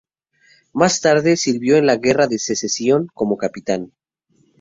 Más tarde, sirvió en la Guerra de Secesión como capitán.